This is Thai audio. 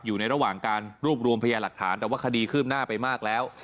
อยู่ในระหว่างการรวบรวมพยาหลักฐานแต่ว่าคดีคืบหน้าไปมากแล้ว